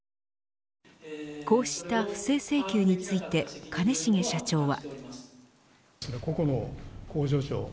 こうした不正請求について兼重社長は。